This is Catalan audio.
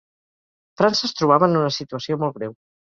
França es trobava en una situació molt greu.